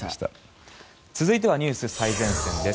続いては、ニュース最前線です。